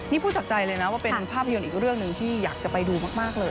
นี่พูดจากใจเลยนะว่าเป็นภาพยนตร์อีกเรื่องหนึ่งที่อยากจะไปดูมากเลย